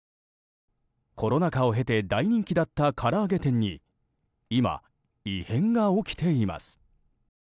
コロナ禍を経て大人気だったから揚げ店に今、異変が起きています。